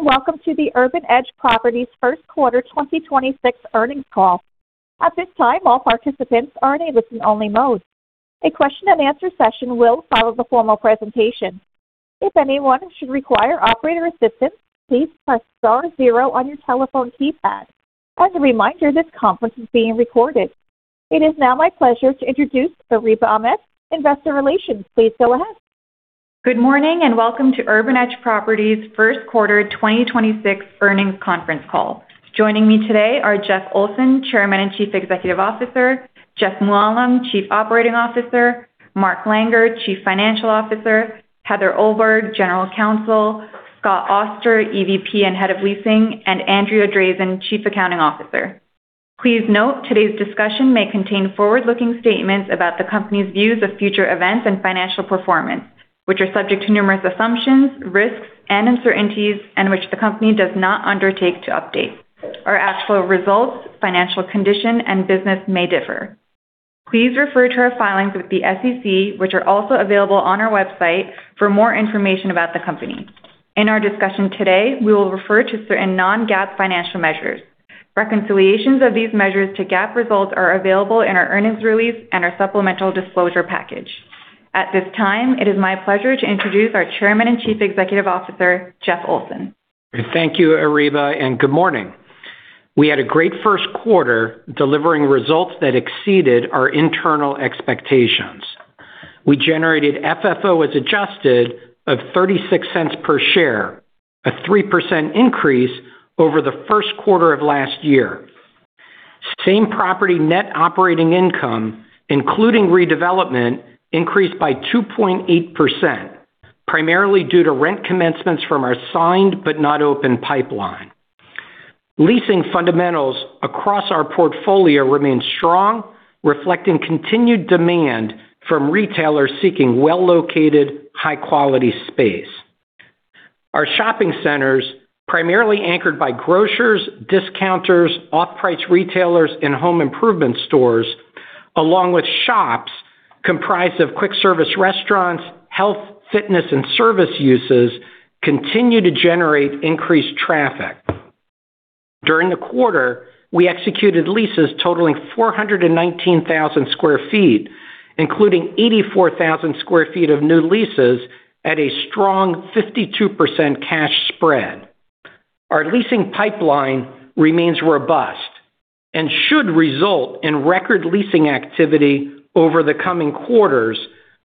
Welcome to the Urban Edge Properties first quarter 2026 earnings call. At this time, all participants are in a listen-only mode. A question and answer session will follow the formal presentation. If anyone should require operator assistance, please press star zero on your telephone keypad. As a reminder, this conference is being recorded. It is now my pleasure to introduce Areeba Ahmed, Investor Relations. Please go ahead. Good morning, and welcome to Urban Edge Properties first quarter 2026 earnings conference call. Joining me today are Jeff Olson, Chairman and Chief Executive Officer; Jeffrey Mooallem, Chief Operating Officer; Mark Langer, Chief Financial Officer; Heather Ohlberg, General Counsel; Scott Auster, EVP and Head of Leasing; and Andrea Drazin, Chief Accounting Officer. Please note, today's discussion may contain forward-looking statements about the company's views of future events and financial performance, which are subject to numerous assumptions, risks, and uncertainties, and which the company does not undertake to update. Our actual results, financial condition, and business may differ. Please refer to our filings with the SEC, which are also available on our website, for more information about the company. In our discussion today, we will refer to certain non-GAAP financial measures. Reconciliations of these measures to GAAP results are available in our earnings release and our supplemental disclosure package. At this time, it is my pleasure to introduce our Chairman and Chief Executive Officer, Jeff Olson. Thank you, Areeba, and good morning. We had a great first quarter delivering results that exceeded our internal expectations. We generated FFO as adjusted of $0.36 per share, a 3% increase over the first quarter of last year. Same-property net operating income, including redevelopment, increased by 2.8%, primarily due to rent commencements from our signed-but-not-open pipeline. Leasing fundamentals across our portfolio remain strong, reflecting continued demand from retailers seeking well-located, high-quality space. Our shopping centers, primarily anchored by grocers, discounters, off-price retailers, and home improvement stores, along with shops comprised of quick service restaurants, health, fitness, and service uses, continue to generate increased traffic. During the quarter, we executed leases totaling 419,000 sq ft, including 84,000 sq ft of new leases at a strong 52% cash spread. Our leasing pipeline remains robust and should result in record leasing activity over the coming quarters,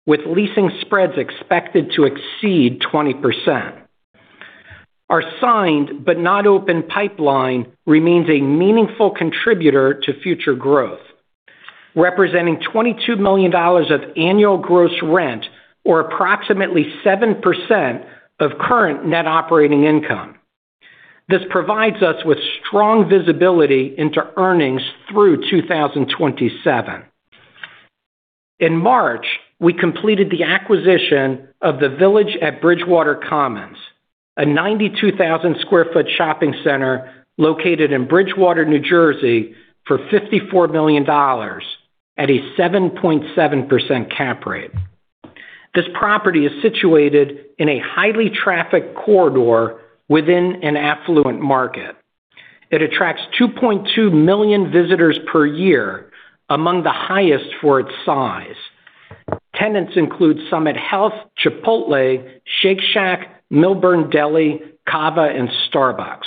with leasing spreads expected to exceed 20%. Our signed but not open pipeline remains a meaningful contributor to future growth, representing $22 million of annual gross rent or approximately 7% of current net operating income. This provides us with strong visibility into earnings through 2027. In March, we completed the acquisition of The Village at Bridgewater Commons, a 92,000 sq ft shopping center located in Bridgewater, New Jersey, for $54 million at a 7.7% cap rate. This property is situated in a highly trafficked corridor within an affluent market. It attracts 2.2 million visitors per year, among the highest for its size. Tenants include Summit Health, Chipotle, Shake Shack, Millburn Deli, CAVA, and Starbucks.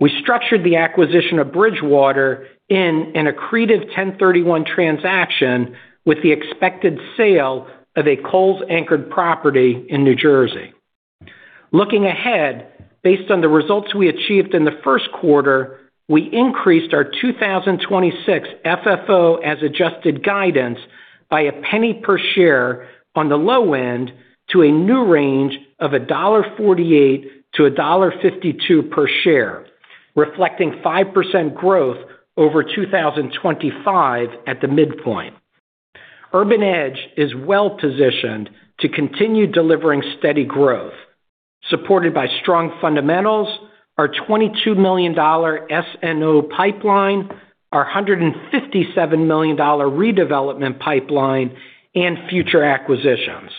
We structured the acquisition of Bridgewater in an accretive 1031 transaction with the expected sale of a Kohl's-anchored property in New Jersey. Looking ahead, based on the results we achieved in the first quarter, we increased our 2026 FFO as adjusted guidance by $0.01 per share on the low end to a new range of $1.48-$1.52 per share, reflecting 5% growth over 2025 at the midpoint. Urban Edge is well-positioned to continue delivering steady growth, supported by strong fundamentals, our $22 million SNO pipeline, our $157 million redevelopment pipeline, and future acquisitions.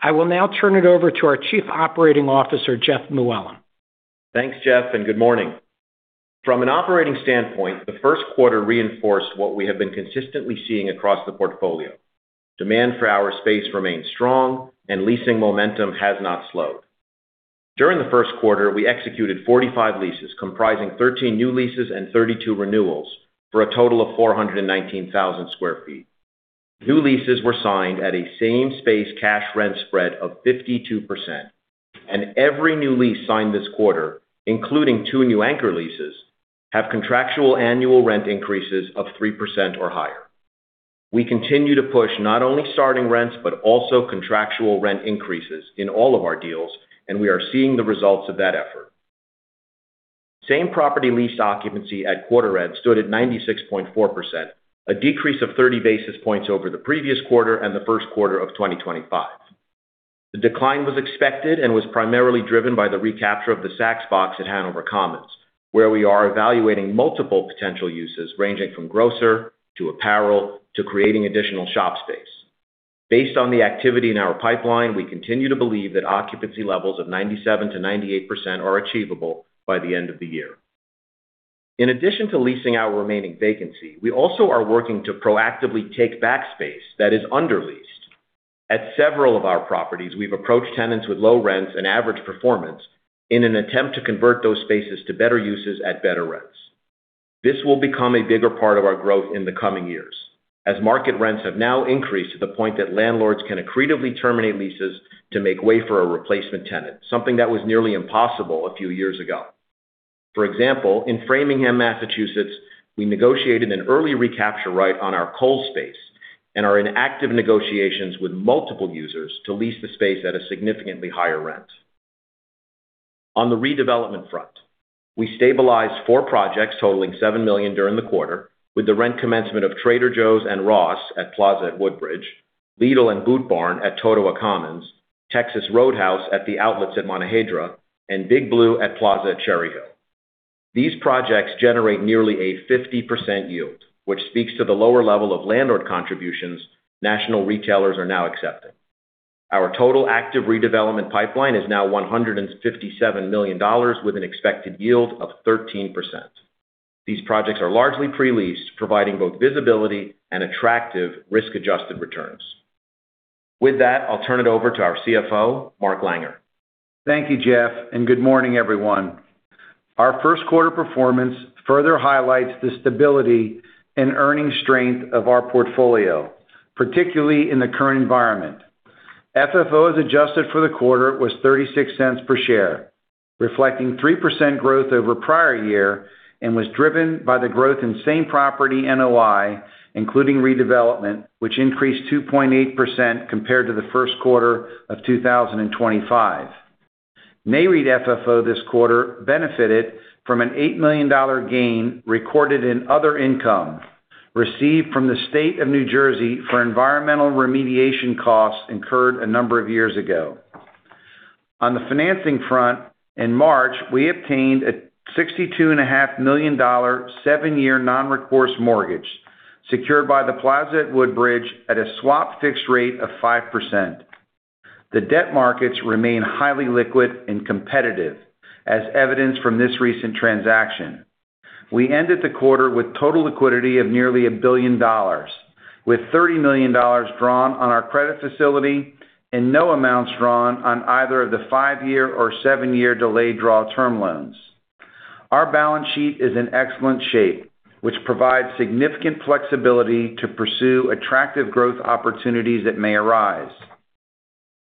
I will now turn it over to our Chief Operating Officer, Jeff Mooallem. Thanks, Jeff. Good morning. From an operating standpoint, the first quarter reinforced what we have been consistently seeing across the portfolio. Demand for our space remains strong and leasing momentum has not slowed. During the first quarter, we executed 45 leases comprising 13 new leases and 32 renewals for a total of 419,000 sq ft. New leases were signed at a same-space cash rent spread of 52%. Every new lease signed this quarter, including two new anchor leases, have contractual annual rent increases of 3% or higher. We continue to push not only starting rents, but also contractual rent increases in all of our deals. We are seeing the results of that effort. Same-property lease occupancy at quarter end stood at 96.4%, a decrease of 30 basis points over the previous quarter and the first quarter of 2025. The decline was expected and was primarily driven by the recapture of the Saks box at Hanover Commons, where we are evaluating multiple potential uses, ranging from grocer to apparel to creating additional shop space. Based on the activity in our pipeline, we continue to believe that occupancy levels of 97%-98% are achievable by the end of the year. In addition to leasing our remaining vacancy, we also are working to proactively take back space that is under-leased. At several of our properties, we've approached tenants with low rents and average performance in an attempt to convert those spaces to better uses at better rents. This will become a bigger part of our growth in the coming years, as market rents have now increased to the point that landlords can accretively terminate leases to make way for a replacement tenant, something that was nearly impossible a few years ago. For example, in Framingham, Massachusetts, we negotiated an early recapture right on our Kohl's space, are in active negotiations with multiple users to lease the space at a significantly higher rent. On the redevelopment front, we stabilized four projects totaling $7 million during the quarter, with the rent commencement of Trader Joe's and Ross at Plaza at Woodbridge, Lidl and Boot Barn at Totowa Commons, Texas Roadhouse at The Outlets at Montehiedra, and Big Blue at Plaza at Cherry Hill. These projects generate nearly a 50% yield, which speaks to the lower level of landlord contributions national retailers are now accepting. Our total active redevelopment pipeline is now $157 million with an expected yield of 13%. These projects are largely pre-leased, providing both visibility and attractive risk-adjusted returns. With that, I'll turn it over to our CFO, Mark Langer. Thank you, Jeff, and good morning, everyone. Our first quarter performance further highlights the stability and earning strength of our portfolio, particularly in the current environment. FFO as adjusted for the quarter was $0.36 per share, reflecting 3% growth over prior year and was driven by the growth in same-property NOI, including redevelopment, which increased 2.8% compared to the first quarter of 2025. NAREIT FFO this quarter benefited from an $8 million gain recorded in other income received from the state of New Jersey for environmental remediation costs incurred a number of years ago. On the financing front, in March, we obtained a $62.5 million seven year non-recourse mortgage secured by The Plaza at Woodbridge at a swap fixed rate of 5%. The debt markets remain highly liquid and competitive, as evidenced from this recent transaction. We ended the quarter with total liquidity of nearly $1 billion, with $30 million drawn on our credit facility and no amounts drawn on either of the five year or seven year delayed draw term loans. Our balance sheet is in excellent shape, which provides significant flexibility to pursue attractive growth opportunities that may arise.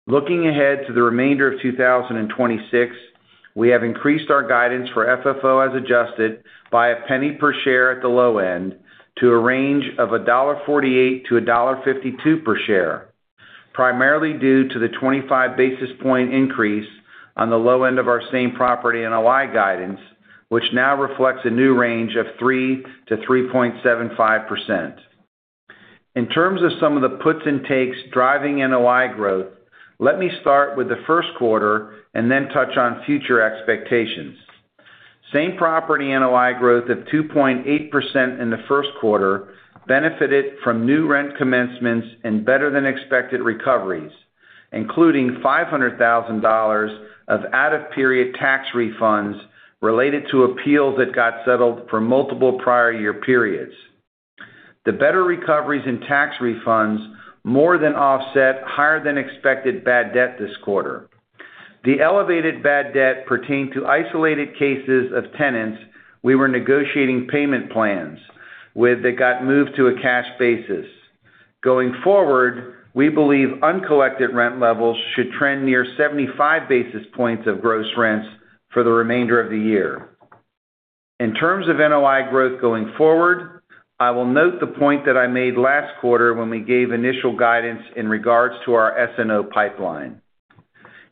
Looking ahead to the remainder of 2026, we have increased our guidance for FFO as adjusted by $0.01 per share at the low end to a range of $1.48-$1.52 per share, primarily due to the 25 basis point increase on the low end of our same property NOI guidance, which now reflects a new range of 3%-3.75%. In terms of some of the puts and takes driving NOI growth, let me start with the first quarter and then touch on future expectations. Same property NOI growth of 2.8% in the first quarter benefited from new rent commencements and better-than-expected recoveries, including $500,000 of out-of-period tax refunds related to appeals that got settled for multiple prior year periods. The better recoveries in tax refunds more than offset higher-than-expected bad debt this quarter. The elevated bad debt pertained to isolated cases of tenants we were negotiating payment plans with that got moved to a cash basis. Going forward, we believe uncollected rent levels should trend near 75 basis points of gross rents for the remainder of the year. In terms of NOI growth going forward, I will note the point that I made last quarter when we gave initial guidance in regards to our SNO pipeline.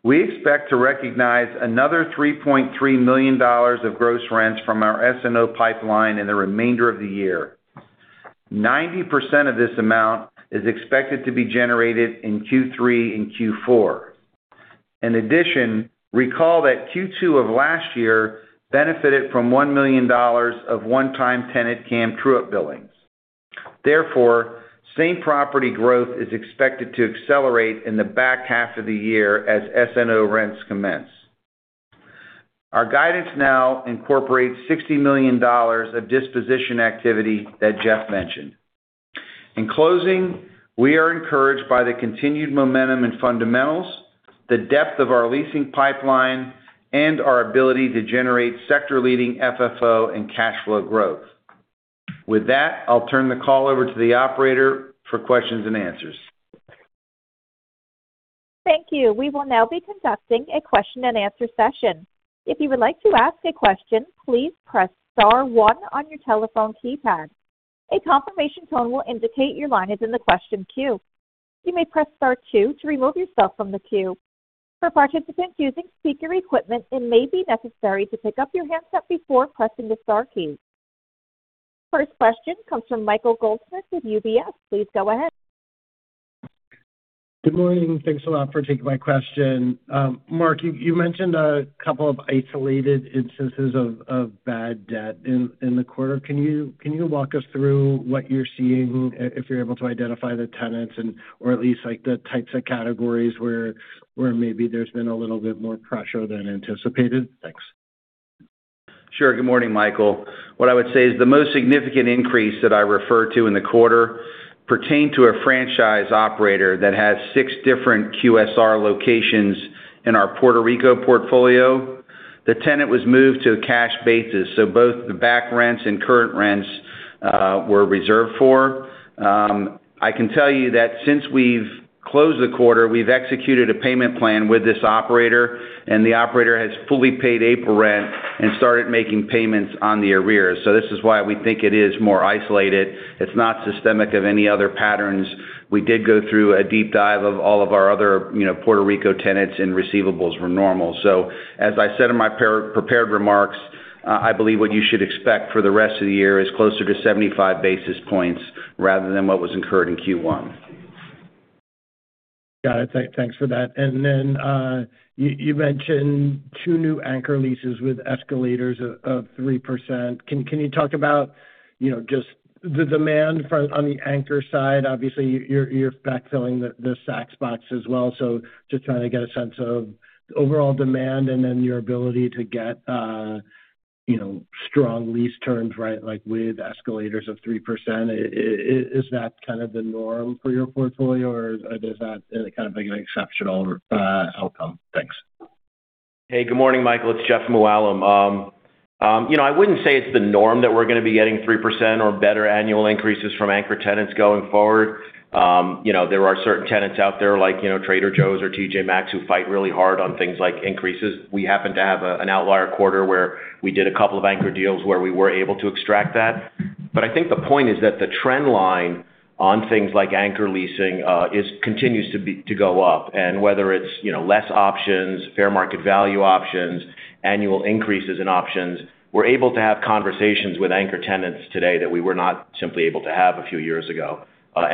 We expect to recognize another $3.3 million of gross rents from our SNO pipeline in the remainder of the year. 90% of this amount is expected to be generated in Q3 and Q4. In addition, recall that Q2 of last year benefited from $1 million of one-time tenant CAM true-up billings. Same property growth is expected to accelerate in the back half of the year as SNO rents commence. Our guidance now incorporates $60 million of disposition activity that Jeff Mooallem mentioned. In closing, we are encouraged by the continued momentum in fundamentals, the depth of our leasing pipeline, and our ability to generate sector-leading FFO and cash flow growth. With that I'll turn the call over to the operator for questions and answers. First question comes from Michael Goldsmith of UBS. Please go ahead. Good morning. Thanks a lot for taking my question. Mark, you mentioned a couple of isolated instances of bad debt in the quarter. Can you walk us through what you're seeing if you're able to identify the tenants or at least like the types of categories where maybe there's been a little bit more pressure than anticipated? Thanks. Sure. Good morning, Michael. What I would say is the most significant increase that I referred to in the quarter pertained to a franchise operator that has six different QSR locations in our Puerto Rico portfolio. The tenant was moved to a cash basis, so both the back rents and current rents were reserved for. I can tell you that since we've closed the quarter, we've executed a payment plan with this operator, and the operator has fully paid April rent and started making payments on the arrears. This is why we think it is more isolated. It's not systemic of any other patterns. We did go through a deep dive of all of our other, you know, Puerto Rico tenants, and receivables were normal. As I said in my pre-prepared remarks, I believe what you should expect for the rest of the year is closer to 75 basis points rather than what was incurred in Q1. Got it. Thanks for that. You mentioned two new anchor leases with escalators of 3%. Can you talk about, you know, just the demand for on the anchor side? Obviously, you're backfilling the Saks box as well. Just trying to get a sense of overall demand, your ability to get, you know, strong lease terms, right, with escalators of 3%. Is that kind of the norm for your portfolio, or is that kind of like an exceptional outcome? Thanks. Hey, good morning, Michael. It's Jeff Mooallem. You know, I wouldn't say it's the norm that we're gonna be getting 3% or better annual increases from anchor tenants going forward. You know, there are certain tenants out there like, you know, Trader Joe's or TJ Maxx, who fight really hard on things like increases. We happen to have an outlier quarter where we did a couple of anchor deals where we were able to extract that. I think the point is that the trend line on things like anchor leasing continues to be to go up. Whether it's, you know, less options, fair market value options, annual increases in options, we're able to have conversations with anchor tenants today that we were not simply able to have a few years ago.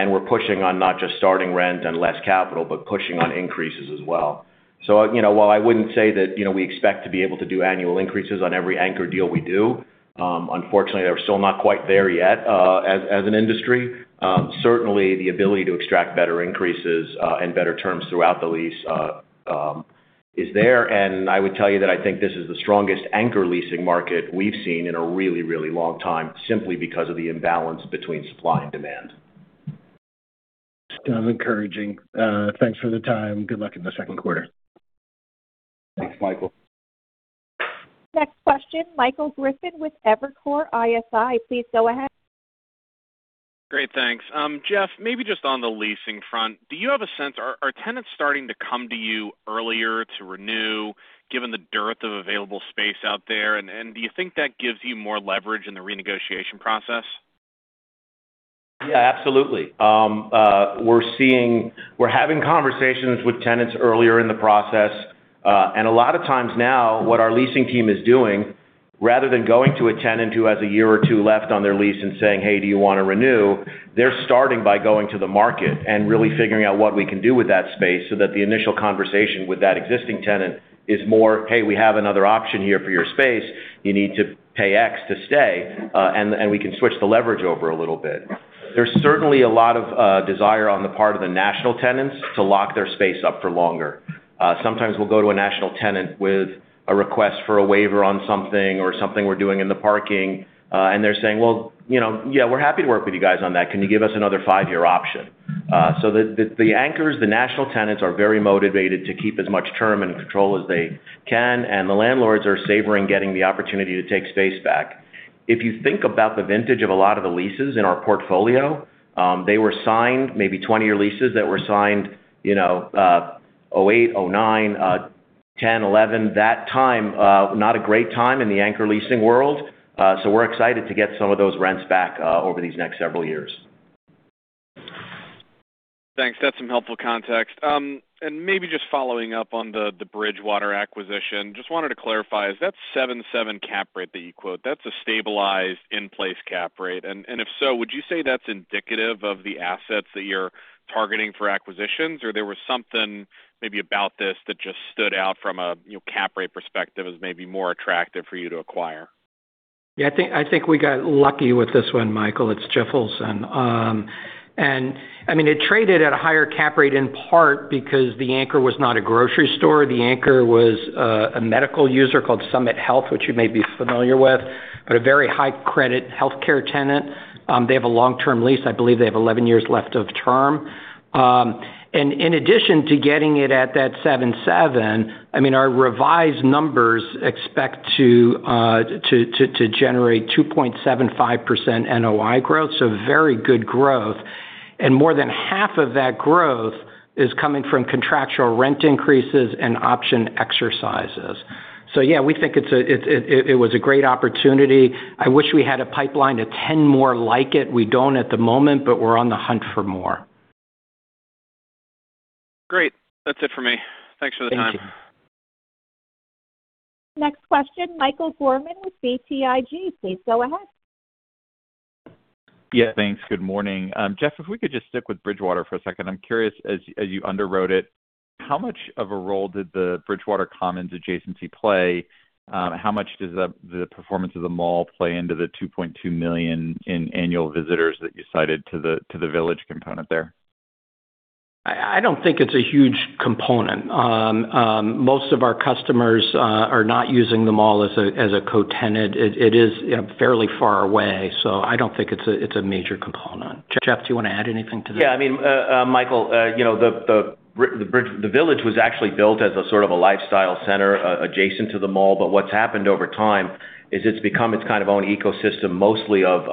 We're pushing on not just starting rent and less capital, but pushing on increases as well. You know, while I wouldn't say that, you know, we expect to be able to do annual increases on every anchor deal we do, unfortunately, they're still not quite there yet as an industry. Certainly the ability to extract better increases and better terms throughout the lease is there. I would tell you that I think this is the strongest anchor leasing market we've seen in a really long time, simply because of the imbalance between supply and demand. Sounds encouraging. Thanks for the time. Good luck in the second quarter. Thanks, Michael. Next question, Michael Griffin with Evercore ISI, please go ahead. Great, thanks. Jeff, maybe just on the leasing front, do you have a sense, are tenants starting to come to you earlier to renew given the dearth of available space out there? Do you think that gives you more leverage in the renegotiation process? Yeah, absolutely. We're having conversations with tenants earlier in the process. A lot of times now, what our leasing team is doing, rather than going to a tenant who has a year or two left on their lease and saying, "Hey, do you want to renew?" They're starting by going to the market and really figuring out what we can do with that space so that the initial conversation with that existing tenant is more, "Hey, we have another option here for your space. You need to pay X to stay." And we can switch the leverage over a little bit. There's certainly a lot of desire on the part of the national tenants to lock their space up for longer. Sometimes we'll go to a national tenant with a request for a waiver on something or something we're doing in the parking, and they're saying, "Well, you know, yeah, we're happy to work with you guys on that. Can you give us another five-year option?" The anchors, the national tenants are very motivated to keep as much term and control as they can, and the landlords are savoring getting the opportunity to take space back. If you think about the vintage of a lot of the leases in our portfolio, they were signed maybe 20-year leases that were signed, you know, 2008, 2009, 2010, 2011, that time, not a great time in the anchor leasing world. We're excited to get some of those rents back over these next several years. Thanks. That's some helpful context. Maybe just following up on the Bridgewater acquisition, just wanted to clarify, is that 7.7 cap rate that you quote, that's a stabilized in-place cap rate? If so, would you say that's indicative of the assets that you're targeting for acquisitions? There was something maybe about this that just stood out from a, you know, cap rate perspective as maybe more attractive for you to acquire? Yeah, I think we got lucky with this one, Michael. It's Jeff Olson. I mean, it traded at a higher cap rate in part because the anchor was not a grocery store. The anchor was a medical user called Summit Health, which you may be familiar with, but a very high credit healthcare tenant. They have a long-term lease. I believe they have 11 years left of term. In addition to getting it at that 7.7, I mean, our revised numbers expect to generate 2.75% NOI growth. Very good growth. More than half of that growth is coming from contractual rent increases and option exercises. Yeah, we think it was a great opportunity. I wish we had a pipeline to 10 more like it. We don't at the moment, but we're on the hunt for more. Great. That's it for me. Thanks for the time. Next question, Michael Gorman with BTIG, please go ahead. Yeah, thanks. Good morning. Jeff, if we could just stick with Bridgewater for a second. I'm curious, as you underwrote it, how much of a role did the Bridgewater Commons adjacency play? How much does the performance of the mall play into the $2.2 million in annual visitors that you cited to the, to the village component there? I don't think it's a huge component. Most of our customers are not using the mall as a co-tenant. It is, you know, fairly far away, so I don't think it's a major component. Jeff, do you wanna add anything to that? Yeah. I mean, Michael, you know, the village was actually built as a sort of a lifestyle center adjacent to the mall. What's happened over time is it's become its kind of own ecosystem, mostly of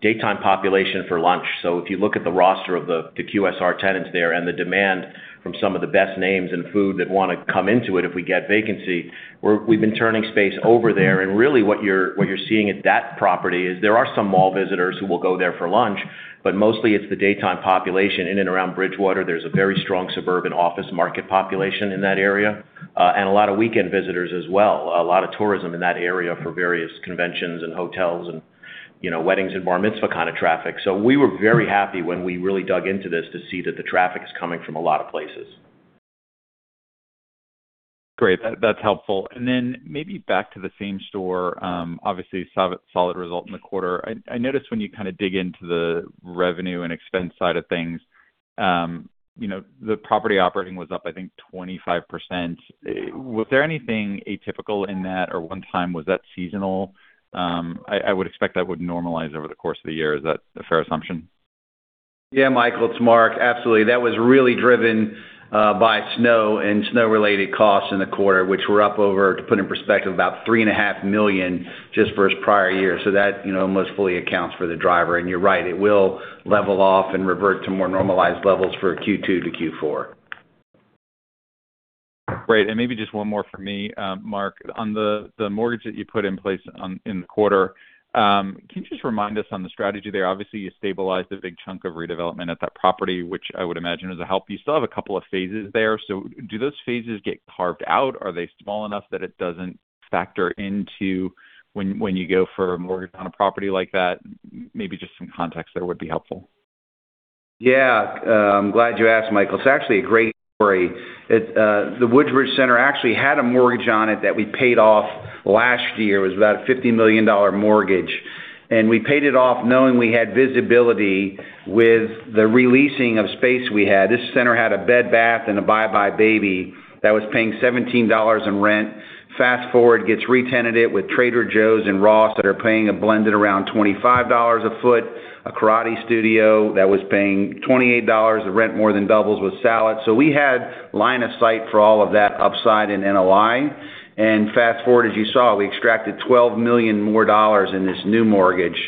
daytime population for lunch. If you look at the roster of the QSR tenants there and the demand from some of the best names in food that wanna come into it if we get vacancy, we've been turning space over there. Really what you're seeing at that property is there are some mall visitors who will go there for lunch, but mostly it's the daytime population in and around Bridgewater. There's a very strong suburban office market population in that area and a lot of weekend visitors as well. A lot of tourism in that area for various conventions and hotels and, you know, weddings and bar mitzvah kind of traffic. We were very happy when we really dug into this to see that the traffic is coming from a lot of places. Great. That's helpful. Maybe back to the same store, obviously solid result in the quarter. I noticed when you kind of dig into the revenue and expense side of things, you know, the property operating was up, I think, 25%. Was there anything atypical in that or one time was that seasonal? I would expect that would normalize over the course of the year. Is that a fair assumption? Yeah, Michael, it's Mark. Absolutely. That was really driven by snow and snow-related costs in the quarter, which were up over, to put in perspective, about $3.5 million, just versus prior year. That, you know, mostly accounts for the driver. You're right, it will level off and revert to more normalized levels for Q2 to Q4. Great. Maybe just one more from me, Mark. On the mortgage that you put in place on, in the quarter, can you just remind us on the strategy there? Obviously, you stabilized a big chunk of redevelopment at that property, which I would imagine is a help. You still have a couple of phases there. Do those phases get carved out? Are they small enough that it doesn't factor into when you go for a mortgage on a property like that? Maybe just some context there would be helpful. Glad you asked, Michael. It's actually a great story. The Woodbridge Center actually had a mortgage on it that we paid off last year. It was about a $50 million mortgage. We paid it off knowing we had visibility with the re-leasing of space we had. This center had a Bed Bath & Beyond and a buybuy BABY that was paying $17 in rent. Fast forward, gets re-tenanted with Trader Joe's and Ross that are paying a blended around $25 a foot, a karate studio that was paying $28 of rent, more than doubles with CAVA. We had line of sight for all of that upside in NOI. Fast forward, as you saw, we extracted $12 million more in this new mortgage.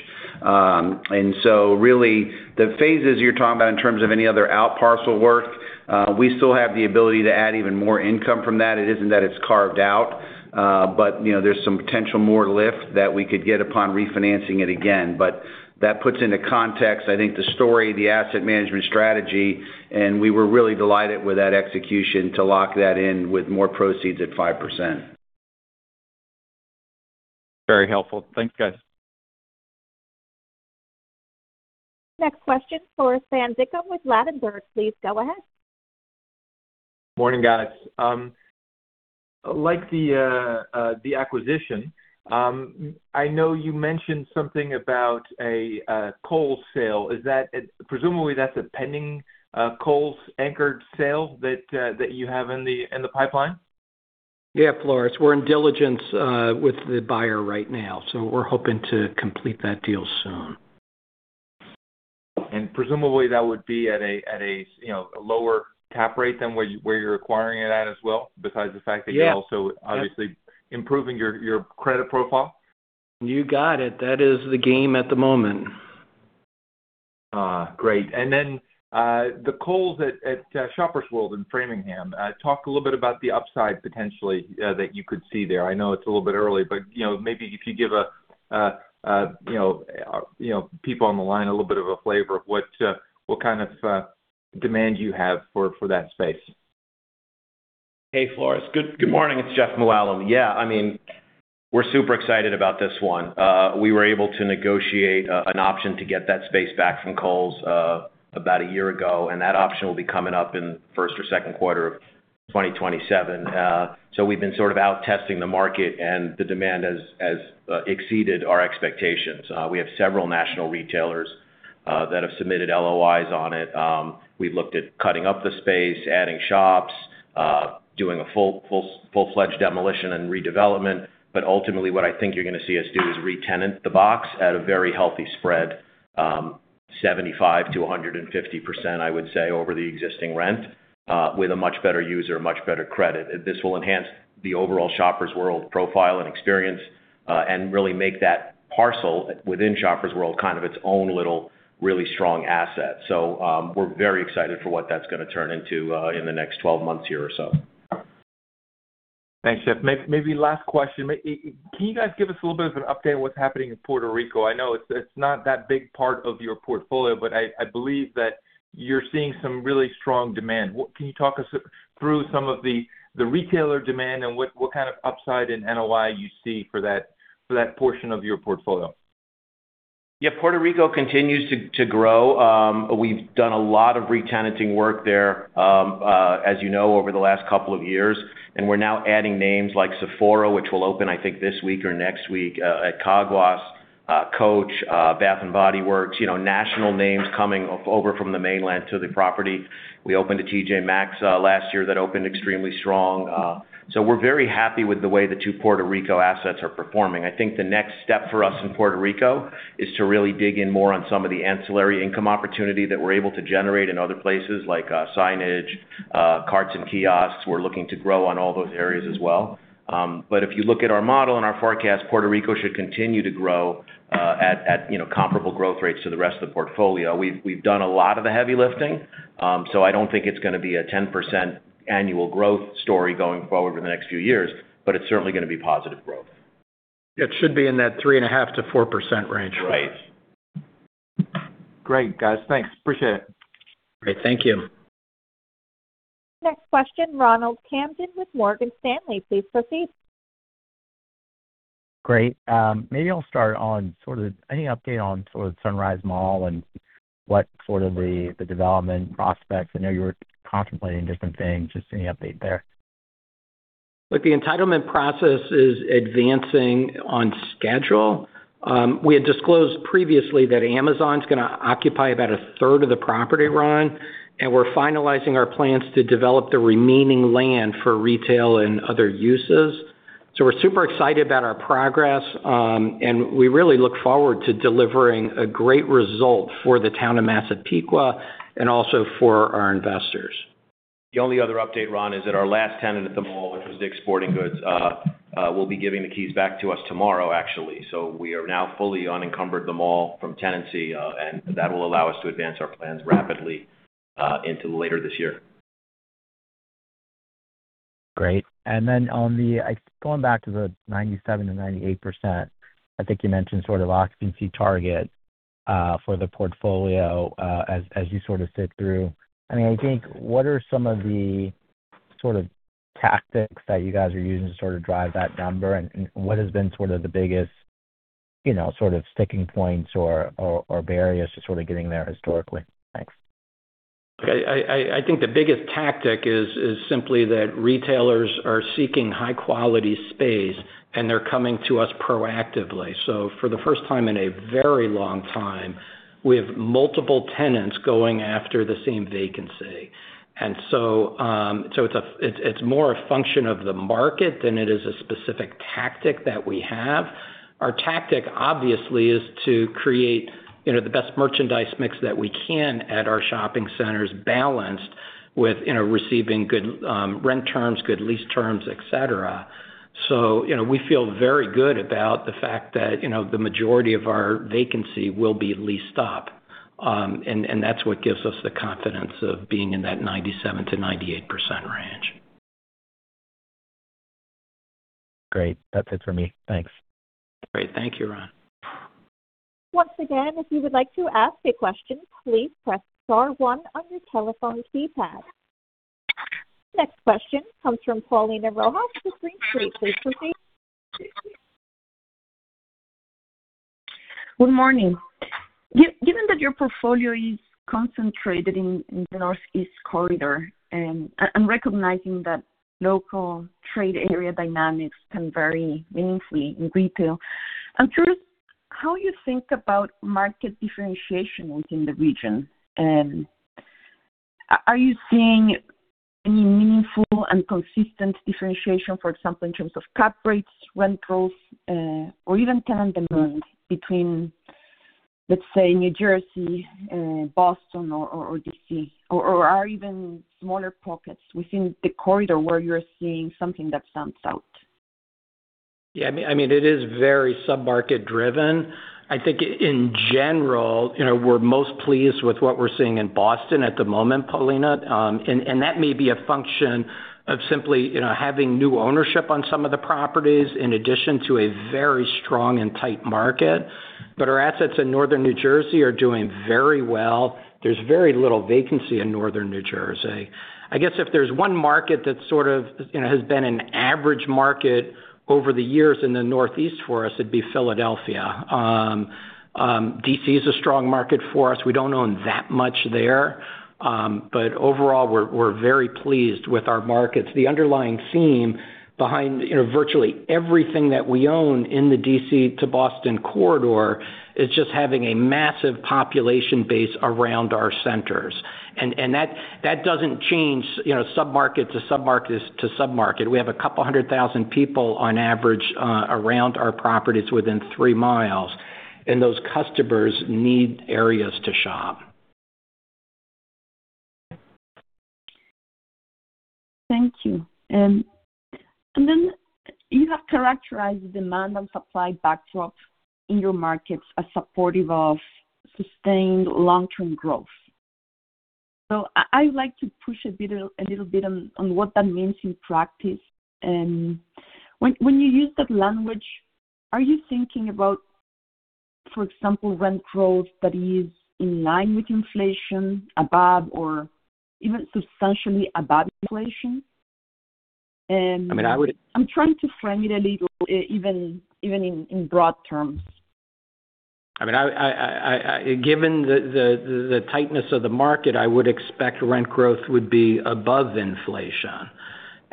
Really the phases you're talking about in terms of any other out parcel work, we still have the ability to add even more income from that. It isn't that it's carved out, you know, there's some potential more lift that we could get upon refinancing it again. That puts into context, I think, the story, the asset management strategy, and we were really delighted with that execution to lock that in with more proceeds at 5%. Very helpful. Thank you, guys. Next question, Floris van Dijkum with Ladenburg Thalmann. Please go ahead. Morning, guys. Like the acquisition, I know you mentioned something about a Kohl's sale. Is that presumably that's a pending Kohl's anchored sale that you have in the pipeline? Yeah, Floris. We're in diligence with the buyer right now, so we're hoping to complete that deal soon. Presumably, that would be at a, you know, a lower cap rate than where you're acquiring it at as well, besides the fact that. Yeah... you're also obviously improving your credit profile. You got it. That is the game at the moment. Great. The Kohl's at Shoppers World in Framingham, talk a little bit about the upside potentially that you could see there. I know it's a little bit early, but, you know, maybe if you give a, you know, people on the line a little bit of a flavor of what kind of demand you have for that space. Hey, Floris van Dijkum. Good morning. It's Jeff Mooallem. I mean, we're super excited about this one. We were able to negotiate an option to get that space back from Kohl's about a year ago, and that option will be coming up in first or second quarter of 2027. We've been sort of out testing the market and the demand has exceeded our expectations. We have several national retailers that have submitted LOIs on it. We've looked at cutting up the space, adding shops, doing a full-fledged demolition and redevelopment. Ultimately, what I think you're gonna see us do is re-tenant the box at a very healthy spread, 75%-150%, I would say, over the existing rent, with a much better user, much better credit. This will enhance the overall Shoppers World profile and experience, and really make that parcel within Shoppers World kind of its own little really strong asset. We're very excited for what that's going to turn into in the next 12 months here or so. Thanks, Jeff. Maybe last question. Can you guys give us a little bit of an update on what's happening in Puerto Rico? I know it's not that big part of your portfolio, but I believe that you're seeing some really strong demand. Can you talk us through some of the retailer demand and what kind of upside in NOI you see for that, for that portion of your portfolio? Yeah, Puerto Rico continues to grow. We've done a lot of re-tenanting work there, as you know, over the last couple of years. We're now adding names like Sephora, which will open, I think, this week or next week, at Caguas. Coach, Bath & Body Works, you know, national names coming over from the mainland to the property. We opened a TJ Maxx last year, that opened extremely strong. We're very happy with the way the two Puerto Rico assets are performing. I think the next step for us in Puerto Rico is to really dig in more on some of the ancillary income opportunity that we're able to generate in other places like signage, carts and kiosks. We're looking to grow on all those areas as well. If you look at our model and our forecast, Puerto Rico should continue to grow at comparable growth rates to the rest of the portfolio. We've done a lot of the heavy lifting. I don't think it's gonna be a 10% annual growth story going forward over the next few years, but it's certainly gonna be positive growth. It should be in that 3.5%-4% range. Right. Great, guys. Thanks. Appreciate it. Great. Thank you. Next question, Ronald Kamdem with Morgan Stanley, please proceed. Great. Maybe I'll start on sort of any update on sort of Sunrise Mall and what sort of the development prospects. I know you were contemplating different things. Just any update there. Look, the entitlement process is advancing on schedule. We had disclosed previously that Amazon's gonna occupy about a third of the property, Ron. We're finalizing our plans to develop the remaining land for retail and other uses. We're super excited about our progress, and we really look forward to delivering a great result for the town of Massapequa and also for our investors. The only other update, Ron, is that our last tenant at the mall, which was Dick's Sporting Goods, will be giving the keys back to us tomorrow, actually. We are now fully unencumbered the mall from tenancy, and that will allow us to advance our plans rapidly into later this year. Great. Going back to the 97%-98%, I think you mentioned sort of occupancy target for the portfolio, as you sort of sit through. I mean, I think what are some of the sort of tactics that you guys are using to sort of drive that number, and what has been sort of the biggest, you know, sort of sticking points or barriers to sort of getting there historically? Thanks. I think the biggest tactic is simply that retailers are seeking high quality space, and they're coming to us proactively. For the first time in a very long time, we have multiple tenants going after the same vacancy. It's more a function of the market than it is a specific tactic that we have. Our tactic, obviously, is to create, you know, the best merchandise mix that we can at our shopping centers, balanced with, you know, receiving good rent terms, good lease terms, et cetera. You know, we feel very good about the fact that, you know, the majority of our vacancy will be leased up. That's what gives us the confidence of being in that 97%-98% range. Great. That's it for me. Thanks. Great. Thank you, Ron. Once again, if you would like to ask a question, please press star one on your telephone keypad. Next question comes from Paulina Rojas with Green Street. Please proceed. Good morning. Given that your portfolio is concentrated in the Northeast Corridor, and recognizing that local trade area dynamics can vary meaningfully in retail, I'm curious how you think about market differentiation within the region. Are you seeing any meaningful and consistent differentiation, for example, in terms of cap rates, rent growth, or even tenant demand between, let's say, New Jersey, Boston or D.C.? Or are even smaller pockets within the corridor where you're seeing something that stands out? I mean, it is very sub-market driven. I think in general, you know, we're most pleased with what we're seeing in Boston at the moment, Paulina. That may be a function of simply, you know, having new ownership on some of the properties, in addition to a very strong and tight market. Our assets in Northern New Jersey are doing very well. There's very little vacancy in Northern New Jersey. I guess if there's one market that sort of, you know, has been an average market over the years in the Northeast for us, it'd be Philadelphia. D.C. is a strong market for us. We don't own that much there. Overall, we're very pleased with our markets. The underlying theme behind, you know, virtually everything that we own in the D.C. to Boston corridor is just having a massive population base around our centers. That doesn't change, you know, sub-market to sub-market to sub-market. We have a couple 100,000 people on average around our properties within three miles, and those customers need areas to shop. Thank you. Then you have characterized the demand and supply backdrop in your markets as supportive of sustained long-term growth. I would like to push a bit, a little bit on what that means in practice. When you use that language, are you thinking about, for example, rent growth that is in line with inflation above or even substantially above inflation? I mean, I. I'm trying to frame it a little, even in broad terms. Given the tightness of the market, I would expect rent growth would be above inflation.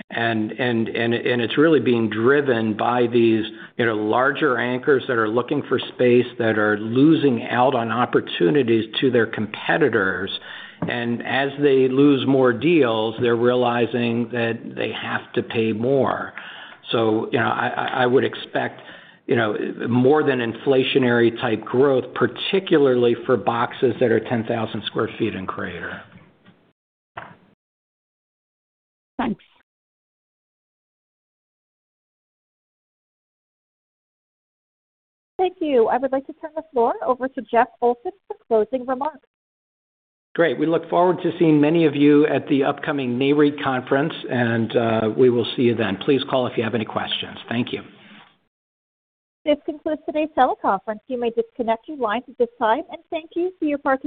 It's really being driven by these, you know, larger anchors that are looking for space that are losing out on opportunities to their competitors. As they lose more deals, they're realizing that they have to pay more. You know, I would expect, you know, more than inflationary type growth, particularly for boxes that are 10,000 sq ft and greater. Thanks. Thank you. I would like to turn the floor over to Jeff Olson for closing remarks. Great. We look forward to seeing many of you at the upcoming NAREIT conference, and we will see you then. Please call if you have any questions. Thank you. This concludes today's teleconference. You may disconnect your lines at this time, and thank you for your participation.